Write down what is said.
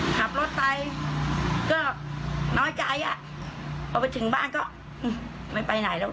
ขับรถไปก็น้อยใจอ่ะพอไปถึงบ้านก็ไม่ไปไหนแล้ว